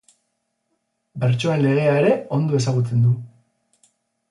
Bertsoen legea ere ondo ezagutzen du.